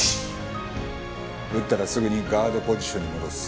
打ったらすぐにガードポジションに戻す。